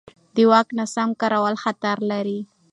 د واک ناسم کارول خطر لري